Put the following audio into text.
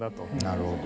なるほど。